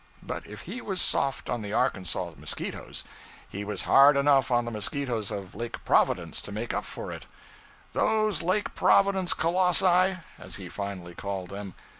But if he was soft on the Arkansas mosquitoes, he was hard enough on the mosquitoes of Lake Providence to make up for it 'those Lake Providence colossi,' as he finely called them.